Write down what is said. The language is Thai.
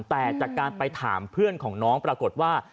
แต่จากการไปถามเพื่อนของน้องปรากฏว่า